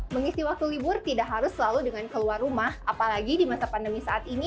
mengisi waktu libur tidak harus selalu dengan keluar rumah apalagi di masa pandemi saat ini